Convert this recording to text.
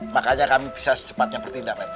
makanya kami bisa secepatnya bertindak pak rt